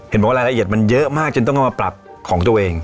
เห็นบอกว่าระเอียดมันเยอะมากจนต้องมาปรับของตัวเอง